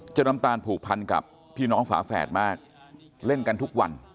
น้ำตาลผูกพันกับพี่น้องฝาแฝดมากเล่นกันทุกวัน